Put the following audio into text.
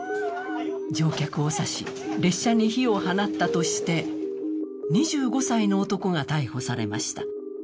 乗客を刺し、列車に火を放ったとして２５歳の男が逮捕されました。